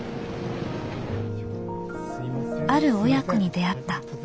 ある親子に出会った。